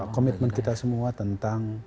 komitmen kita semua tentang